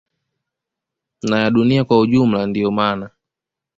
na ya dunia kwa ujumla Ndio mana